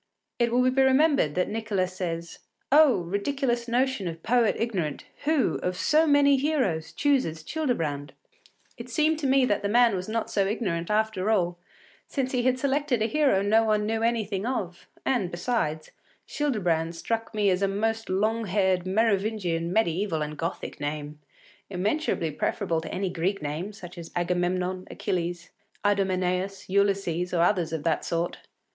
It will be remembered that Nicolas says: “Oh! ridiculous notion of poet ignorant Who, of so many heroes, chooses Childebrand!” It seemed to me that the man was not so ignorant after all, since he had selected a hero no one knew anything of; and, besides, Childebrand struck me as a most long haired, Merovingian, mediæval, and Gothic name, immeasurably preferable to any Greek name, such as Agamemnon, Achilles, Idomeneus, Ulysses, or others of that sort.